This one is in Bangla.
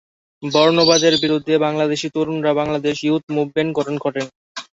বর্ণবাদের বিরুদ্ধে বাংলাদেশী তরুণরা বাংলাদেশ ইয়ুথ মুভমেন্ট গঠন করেন।